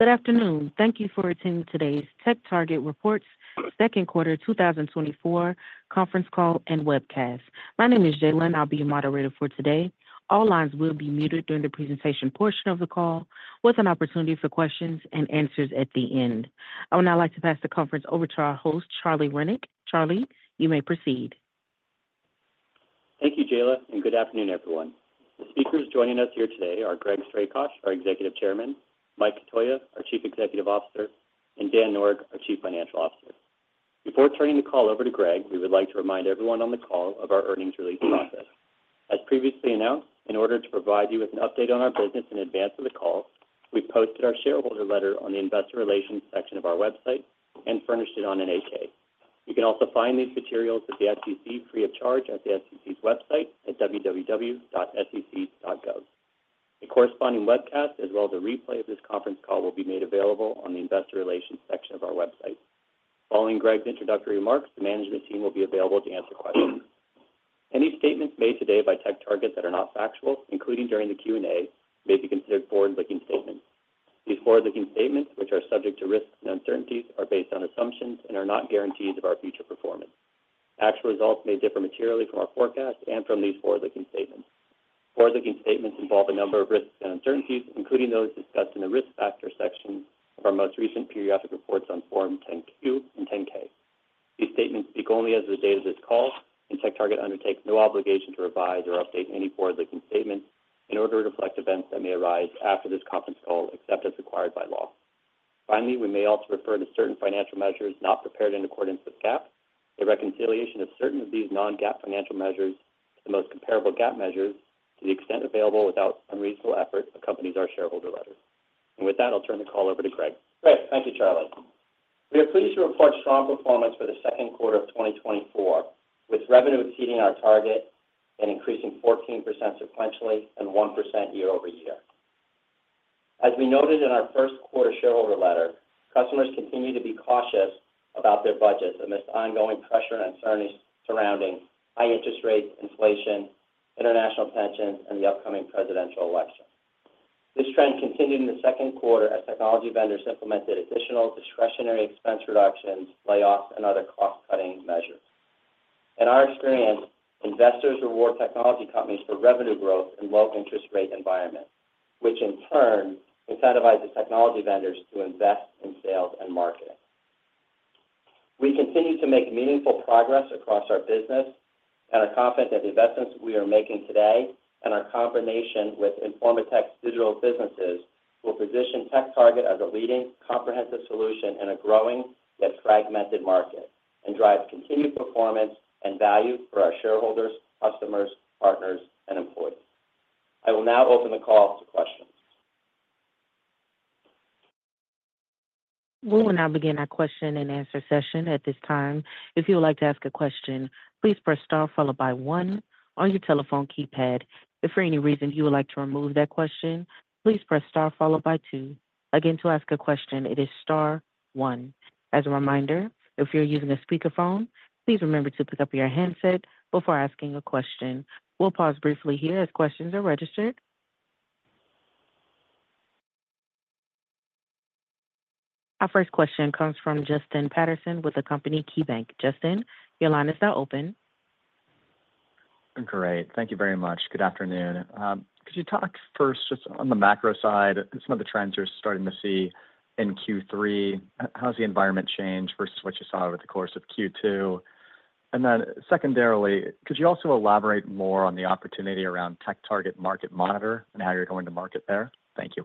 Good afternoon. Thank you for attending today's TechTarget Reports Second Quarter 2024 Conference Call and webcast. My name is Jaylen. I'll be your moderator for today. All lines will be muted during the presentation portion of the call, with an opportunity for questions and answers at the end. I would now like to pass the conference over to our host, Charlie Rennick. Charlie, you may proceed. Thank you, Jayla, and good afternoon, everyone. The speakers joining us here today are Greg Strakosch, our Executive Chairman, Mike Cotoia, our Chief Executive Officer, and Dan Noreck, our Chief Financial Officer. Before turning the call over to Greg, we would like to remind everyone on the call of our earnings release process. As previously announced, in order to provide you with an update on our business in advance of the call, we've posted our shareholder letter on the investor relations section of our website and furnished it on an 8-K. You can also find these materials at the SEC free of charge at the SEC's website at www.sec.gov. A corresponding webcast, as well as a replay of this conference call, will be made available on the investor relations section of our website. Following Greg's introductory remarks, the management team will be available to answer questions. Any statements made today by TechTarget that are not factual, including during the Q&A, may be considered forward-looking statements. These forward-looking statements, which are subject to risks and uncertainties, are based on assumptions and are not guarantees of our future performance. Actual results may differ materially from our forecast and from these forward-looking statements. Forward-looking statements involve a number of risks and uncertainties, including those discussed in the risk factor section of our most recent periodic reports on Form 10-Q and 10-K. These statements speak only as of the date of this call, and TechTarget undertakes no obligation to revise or update any forward-looking statements in order to reflect events that may arise after this conference call, except as required by law. Finally, we may also refer to certain financial measures not prepared in accordance with GAAP. The reconciliation of certain of these non-GAAP financial measures to the most comparable GAAP measures, to the extent available without unreasonable effort, accompanies our shareholder letters. With that, I'll turn the call over to Greg. Great. Thank you, Charlie. We are pleased to report strong performance for the second quarter of 2024, with revenue exceeding our target and increasing 14% sequentially and 1% year-over-year. As we noted in our first quarter shareholder letter, customers continue to be cautious about their budgets amidst ongoing pressure and uncertainty surrounding high interest rates, inflation, international tensions, and the upcoming presidential election. This trend continued in the second quarter as technology vendors implemented additional discretionary expense reductions, layoffs, and other cost-cutting measures. In our experience, investors reward technology companies for revenue growth and low interest rate environment, which in turn incentivizes technology vendors to invest in sales and marketing. We continue to make meaningful progress across our business and are confident that the investments we are making today and our combination with Informa Tech's digital businesses will position TechTarget as a leading comprehensive solution in a growing yet fragmented market, and drive continued performance and value for our shareholders, customers, partners, and employees. I will now open the call to questions. We will now begin our question and answer session at this time. If you would like to ask a question, please press star followed by one on your telephone keypad. If for any reason you would like to remove that question, please press star followed by two. Again, to ask a question, it is star one. As a reminder, if you're using a speakerphone, please remember to pick up your handset before asking a question. We'll pause briefly here as questions are registered. Our first question comes from Justin Patterson with the company KeyBanc Capital Markets. Justin, your line is now open. Great. Thank you very much. Good afternoon. Could you talk first, just on the macro side, some of the trends you're starting to see in Q3, how's the environment changed versus what you saw over the course of Q2? And then secondarily, could you also elaborate more on the opportunity around TechTarget Market Monitor and how you're going to market there? Thank you.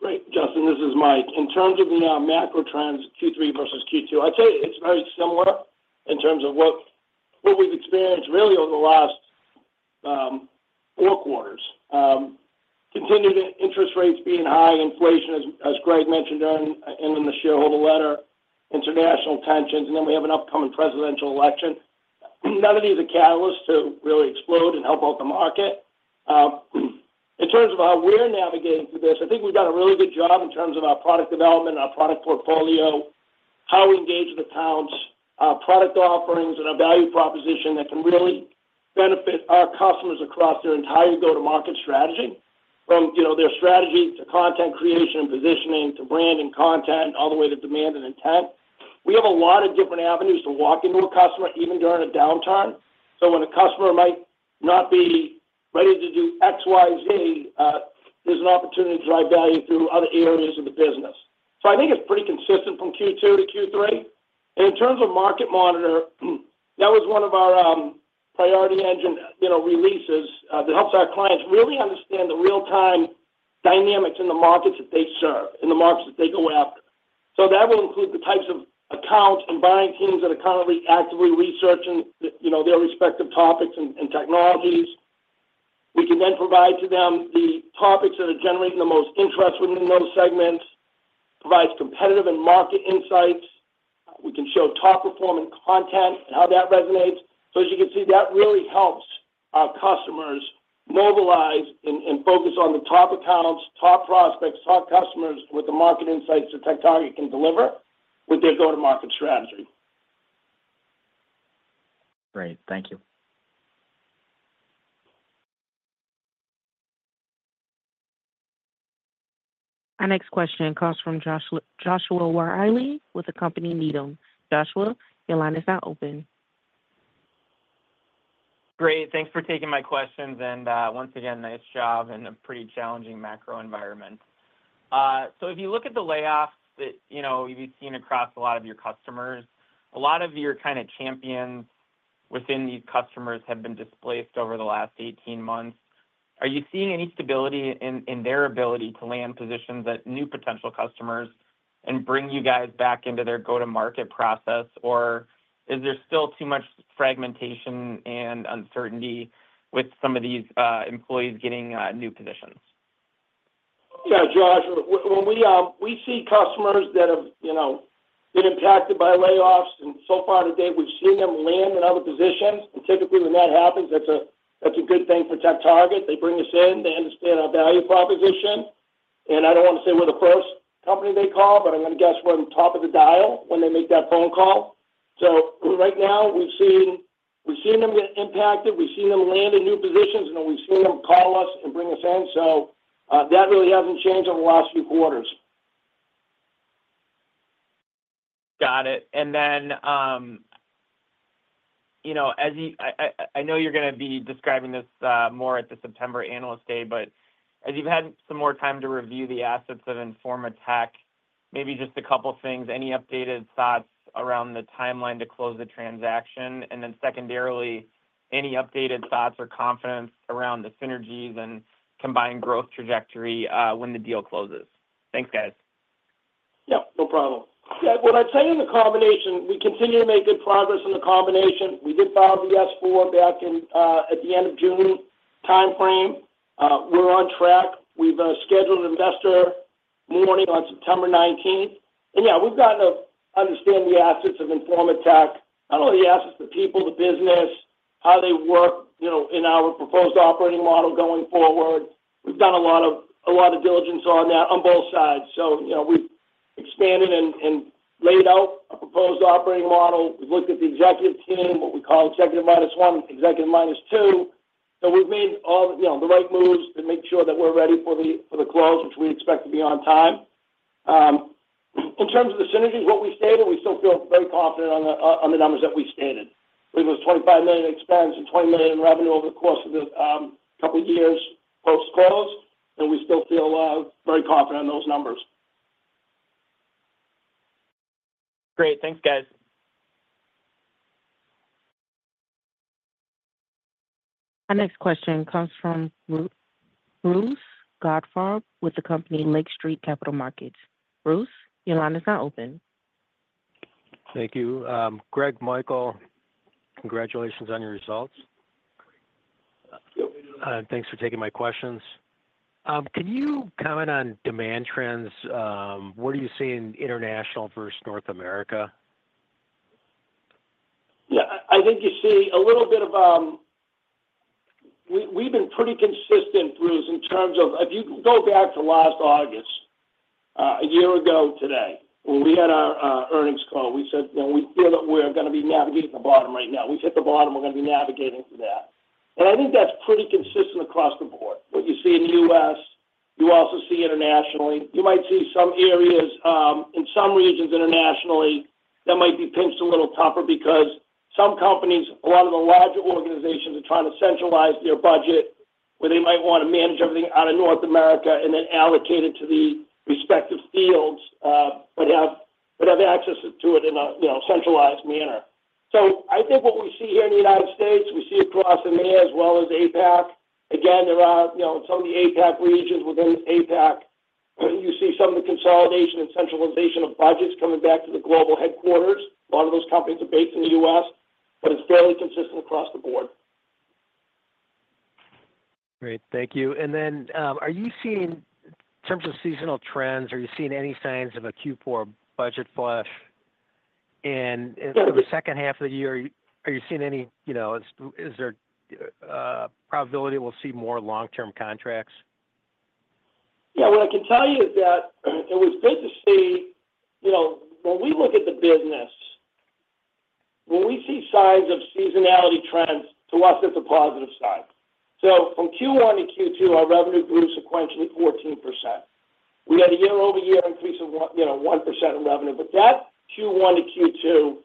Great, Justin. This is Mike. In terms of the macro trends, Q3 versus Q2, I'd say it's very similar in terms of what we've experienced really over the last four quarters. Continued interest rates being high, inflation, as Greg mentioned during in the shareholder letter, international tensions, and then we have an upcoming presidential election. None of these are catalysts to really explode and help out the market. In terms of how we're navigating through this, I think we've done a really good job in terms of our product development, our product portfolio, how we engage with accounts, our product offerings, and our value proposition that can really benefit our customers across their entire go-to-market strategy. From, you know, their strategy to content creation and positioning, to brand and content, all the way to demand and intent. We have a lot of different avenues to walk into a customer, even during a downtime. So when a customer might not be ready to do XYZ, there's an opportunity to drive value through other areas of the business. So I think it's pretty consistent from Q2 to Q3. And in terms of Market Monitor, that was one of our, Priority engine, you know, releases, that helps our clients really understand the real-time dynamics in the markets that they serve, in the markets that they go after. So that will include the types of accounts and buying teams that are currently actively researching, you know, their respective topics and, and technologies. We can then provide to them the topics that are generating the most interest within those segments, provides competitive and market insights. We can show top-performing content and how that resonates. So as you can see, that really helps our customers mobilize and focus on the top accounts, top prospects, top customers with the market insights that TechTarget can deliver with their go-to-market strategy. Great. Thank you. Our next question comes from Joshua Reilly with the company Needham. Joshua, your line is now open. Great. Thanks for taking my questions, and, once again, nice job in a pretty challenging macro environment. So if you look at the layoffs that, you know, you've seen across a lot of your customers, a lot of your kind of champions within these customers have been displaced over the last 18 months. Are you seeing any stability in their ability to land positions at new potential customers and bring you guys back into their go-to-market process? Or is there still too much fragmentation and uncertainty with some of these employees getting new positions? Yeah, Josh, when we, we see customers that have, you know, been impacted by layoffs, and so far to date, we've seen them land in other positions. And typically, when that happens, that's a, that's a good thing for TechTarget. They bring us in. They understand our value proposition, and I don't want to say we're the first company they call, but I'm gonna guess we're on top of the dial when they make that phone call. So right now, we've seen, we've seen them get impacted, we've seen them land in new positions, and then we've seen them call us and bring us in. So, that really hasn't changed over the last few quarters. Got it. And then, you know, as you... I know you're gonna be describing this more at the September analyst day, but as you've had some more time to review the assets of Informa Tech, maybe just a couple things, any updated thoughts around the timeline to close the transaction? And then secondarily, any updated thoughts or confidence around the synergies and combined growth trajectory when the deal closes? Thanks, guys. Yeah, no problem. Yeah, what I'd say in the combination, we continue to make good progress in the combination. We did file the S4 back in at the end of June timeframe. We're on track. We've scheduled an investor morning on September nineteenth. And yeah, we've gotten to understand the assets of Informa Tech, not only the assets, the people, the business, how they work, you know, in our proposed operating model going forward. We've done a lot of, a lot of diligence on that on both sides. So, you know, we've expanded and laid out a proposed operating model. We've looked at the executive team, what we call executive minus one, executive minus two. So we've made all, you know, the right moves to make sure that we're ready for the close, which we expect to be on time. In terms of the synergies, what we stated, we still feel very confident on the numbers that we stated. I think it was $25 million in expense and $20 million in revenue over the course of the couple years post-close, and we still feel very confident in those numbers. Great. Thanks, guys. Our next question comes from Bruce Goldfarb with the company Lake Street Capital Markets. Bruce, your line is now open. Thank you. Greg, Michael, congratulations on your results. Thank you. Thanks for taking my questions. Can you comment on demand trends? What are you seeing international versus North America? Yeah, I think you see a little bit of... We've been pretty consistent, Bruce, in terms of if you can go back to last August, a year ago today, when we had our earnings call, we said, "You know, we feel that we're gonna be navigating the bottom right now. We've hit the bottom, we're gonna be navigating through that." And I think that's pretty consistent across the board. What you see in the U.S., you also see internationally. You might see some areas in some regions internationally that might be pinched a little tougher because some companies, a lot of the larger organizations are trying to centralize their budget, where they might want to manage everything out of North America and then allocate it to the respective fields, but have access to it in a, you know, centralized manner. I think what we see here in the United States, we see across EMEA as well as APAC. Again, there are, you know, in some of the APAC regions within APAC, you see some of the consolidation and centralization of budgets coming back to the global headquarters. A lot of those companies are based in the U.S., but it's fairly consistent across the board. Great. Thank you. And then, are you seeing, in terms of seasonal trends, are you seeing any signs of a Q4 budget flush in- Yeah. The second half of the year, are you, are you seeing any... You know, is, is there probability we'll see more long-term contracts? Yeah, what I can tell you is that it was good to see. You know, when we look at the business, when we see signs of seasonality trends, to us, it's a positive sign. So from Q1 to Q2, our revenue grew sequentially 14%. We had a year-over-year increase of 1%, you know, 1% in revenue, but that Q1 to Q2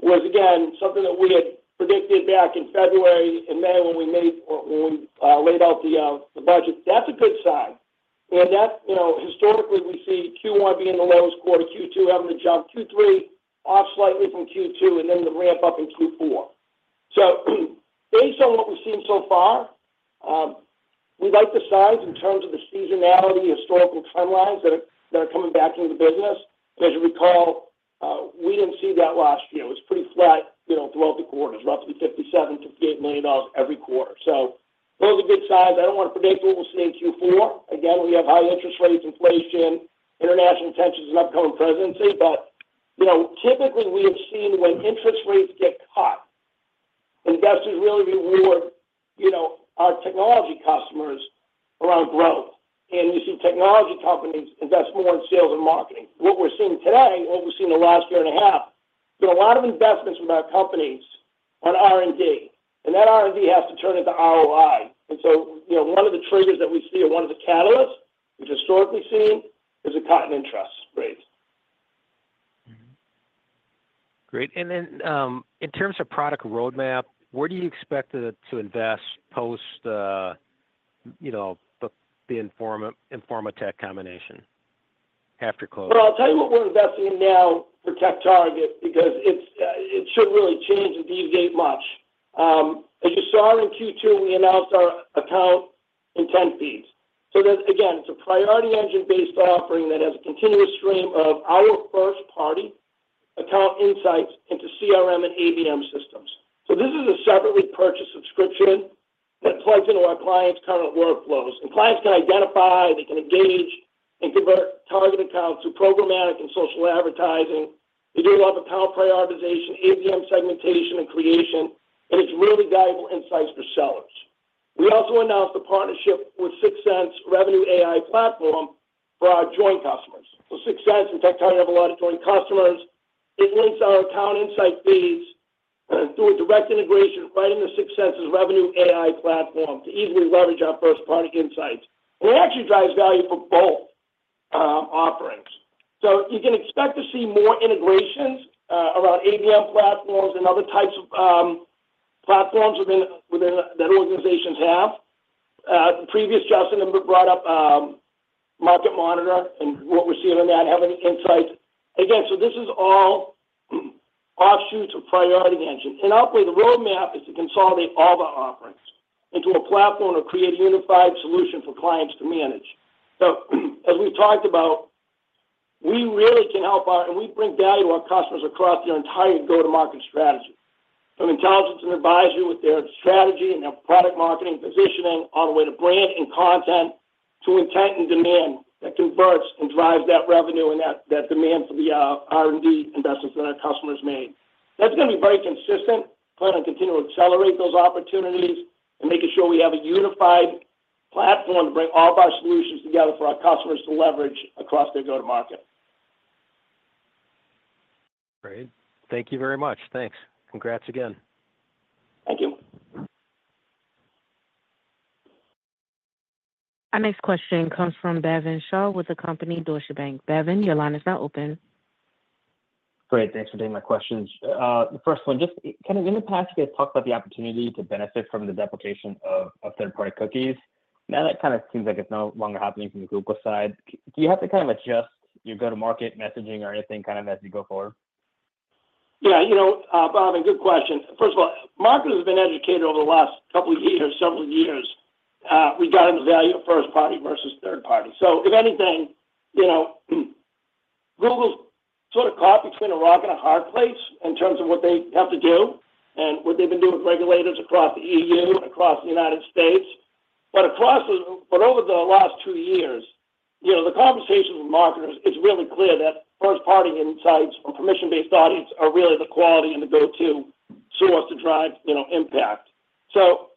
was, again, something that we had predicted back in February and May when we laid out the budget. That's a good sign. And that's, you know, historically, we see Q1 being the lowest quarter, Q2 having to jump, Q3 off slightly from Q2, and then the ramp up in Q4. So based on what we've seen so far, we like the signs in terms of the seasonality, historical trend lines that are coming back into the business. As you recall, we didn't see that last year. It was pretty flat, you know, throughout the quarters, roughly $57 million-$58 million every quarter. So those are good signs. I don't want to predict what we'll see in Q4. Again, we have high interest rates, inflation, international tensions, and upcoming presidency. But, you know, typically, we have seen when interest rates get hot, investors really reward, you know, our technology customers around growth, and you see technology companies invest more in sales and marketing. What we're seeing today, what we've seen in the last year and a half, there are a lot of investments from our companies on R&D, and that R&D has to turn into ROI. And so, you know, one of the triggers that we see, or one of the catalysts, we've historically seen, is a cut in interest rates. Great. And then in terms of product roadmap, where do you expect it to invest post you know the Informa Tech combination after closing? Well, I'll tell you what we're investing in now for TechTarget, because it's it should really change and deviate much. As you saw in Q2, we announced our Account Intent Feeds. So there's, again, it's a Priority Engine-based offering that has a continuous stream of our first-party account insights into CRM and ABM systems. So this is a separately purchased subscription that plugs into our clients' current workflows. And clients can identify, they can engage, and convert target accounts through programmatic and social advertising. They do a lot of account prioritization, ABM segmentation, and creation, and it's really valuable insights for sellers. We also announced a partnership with 6sense Revenue AI platform for our joint customers. So 6sense and TechTarget have a lot of joint customers. It links our Account Insights Feeds through a direct integration right in the 6sense's Revenue AI platform to easily leverage our first-party insights. It actually drives value for both offerings. You can expect to see more integrations around ABM platforms and other types of platforms within that organizations have. The previous question Justin brought up Market Monitor and what we're seeing in that, having insights. Again, this is all offshoots of Priority Engine. Ultimately, the roadmap is to consolidate all the offerings into a platform to create a unified solution for clients to manage. So as we talked about, we really can help our customers and we bring value to our customers across their entire go-to-market strategy, from intelligence and advisory with their strategy and their product marketing positioning, all the way to brand and content, to intent and demand that converts and drives that revenue and that demand for the R&D investments that our customers make. That's gonna be very consistent, plan on continuing to accelerate those opportunities, and making sure we have a unified platform to bring all of our solutions together for our customers to leverage across their go-to-market. Great. Thank you very much. Thanks. Congrats again. Thank you. Our next question comes from Bhavin Shah with the company Deutsche Bank. Bhavin, your line is now open. Great. Thanks for taking my questions. The first one, just, kind of in the past, you guys talked about the opportunity to benefit from the deprecation of third-party cookies. Now, that kind of seems like it's no longer happening from the Google side. Do you have to kind of adjust your go-to-market messaging or anything kind of as you go forward? Yeah, you know, Bhavin, good question. First of all, marketers have been educated over the last couple of years, several years, regarding the value of first party versus third party. So if anything, you know, Google's sort of caught between a rock and a hard place in terms of what they have to do and what they've been doing with regulators across the E.U., across the United States. But over the last two years, you know, the conversations with marketers, it's really clear that first-party insights from permission-based audience are really the quality and the go-to source to drive, you know, impact. So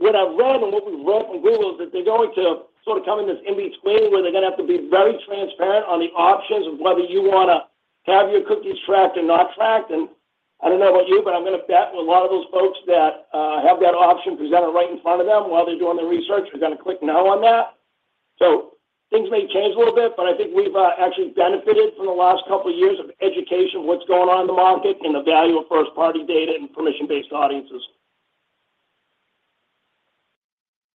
what I read and what we read from Google is that they're going to sort of come in this in-between, where they're gonna have to be very transparent on the options of whether you wanna have your cookies tracked or not tracked. I don't know about you, but I'm gonna bet with a lot of those folks that have that option presented right in front of them while they're doing their research, are gonna click "No" on that. So things may change a little bit, but I think we've actually benefited from the last couple of years of education, what's going on in the market, and the value of first-party data and permission-based audiences.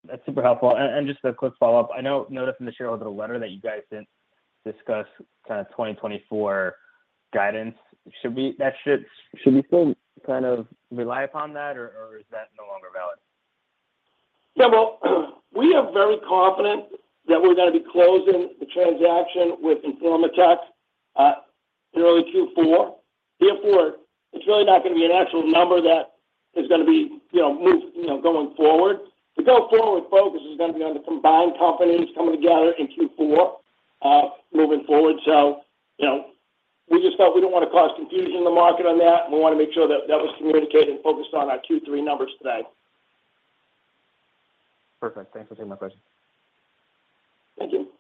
That's super helpful. And just a quick follow-up, I noticed in the shareholder letter that you guys didn't discuss kind of 2024 guidance. Should we still kind of rely upon that, or is that no longer valid? Yeah, well, we are very confident that we're gonna be closing the transaction with Informa Tech in early Q4. Therefore, it's really not gonna be an actual number that is gonna be, you know, moved, you know, going forward. The go forward focus is gonna be on the combined companies coming together in Q4, moving forward. So, you know, we just felt we didn't wanna cause confusion in the market on that. We wanna make sure that that was communicated and focused on our Q3 numbers today. Perfect. Thanks for taking my questions. Thank you.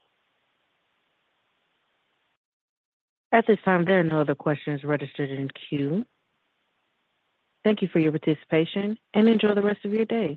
At this time, there are no other questions registered in queue. Thank you for your participation, and enjoy the rest of your day.